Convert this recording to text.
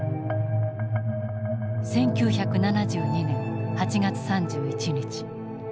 １９７２年８月３１日。